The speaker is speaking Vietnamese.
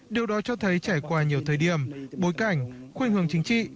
điều đó cho thấy trải qua nhiều thời điểm bối cảnh khuynh hưởng chính trị